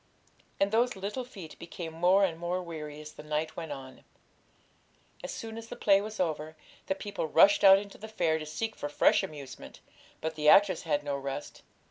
And those little feet became more and more weary as the night went on. As soon as the play was over, the people rushed out into the fair to seek for fresh amusement; but the actors had no rest.